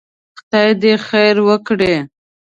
خدای دې خير وکړي.